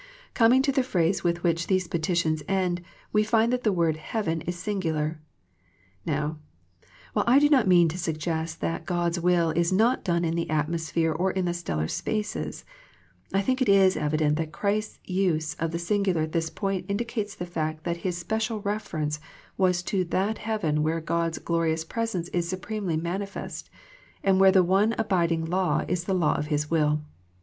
Coming to the phrase with which these petitions end we find that the word " heaven " is singular. Now, while I do not mean to suggest that God's will is not done in the atmosphere or in the stellar spaces, I think it is evident that Christ's use of the singular at this point indicates the fact that His special reference was to that heaven where God's glorious presence is supremely manifest, and where the one abiding law is the law of His will.